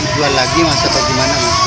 dijual lagi masih apa gimana